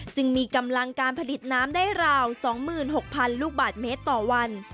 จึงมีกำลังการผลิตน้ำได้ราว๒๖๐๐๐ลูกบาทเมตรต่อวัน